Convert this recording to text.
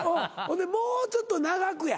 もうちょっと長くや。